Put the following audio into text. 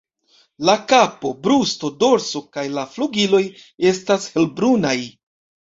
La kapo, brusto, dorso kaj la flugiloj estas helbrunaj.